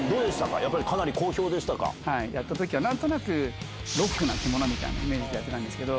やっぱりかなやったときは、なんとなくろっくな着物みたいなイメージでやってたんですけど。